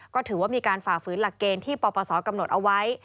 ก็ถือว่ามีการฝ่าฝืนหลักเกณฑ์ที่ปปศกำหนดเอาไว้